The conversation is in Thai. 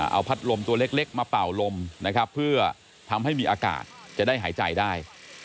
เอาพัดลมตัวเล็กมาเป่าลมนะครับเพื่อทำให้มีอากาศจะได้หายใจได้